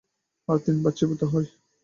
আর তিনবার চিবোতে হয়।